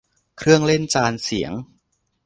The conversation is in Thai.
เครื่องเล่นจานเสียง